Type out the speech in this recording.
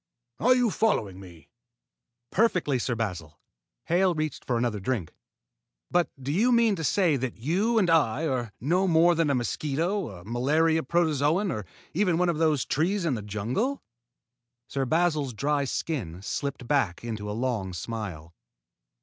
Are you following me?" "Perfectly, Sir Basil." Hale reached for another drink. "But do you mean to say that you and I are no more than a mosquito, a malaria protozoan, or even one of those trees in the jungle?" Sir Basil's dry skin slipped back into a long smile.